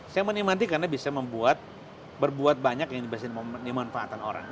saya menikmati karena bisa membuat berbuat banyak yang dibuat di manfaatan orang